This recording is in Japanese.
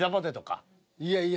いやいや。